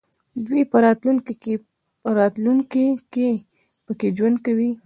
دوی په راتلونکي کې پکې ژوند کوي.